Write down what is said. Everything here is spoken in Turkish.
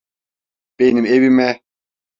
Benim evime.